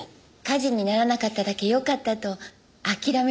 火事にならなかっただけよかったと諦めているんです。